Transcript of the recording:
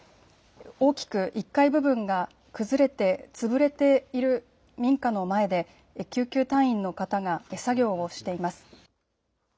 大きく１階部分が崩れて潰れている民家の前で救急隊員の方が作業をしています。